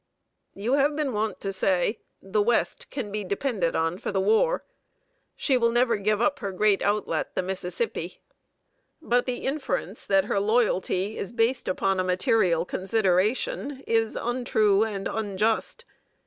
You have been wont to say: "The West can be depended on for the war. She will never give up her great outlet, the Mississippi." True; but the inference that her loyalty is based upon a material consideration, is untrue and unjust.